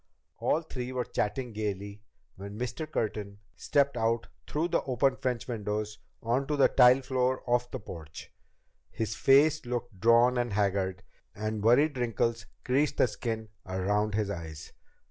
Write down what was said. All three were chatting gaily when Mr. Curtin stepped out through the open French windows onto the tile floor of the porch. His face looked drawn and haggard, and worried wrinkles creased the skin around his eyes.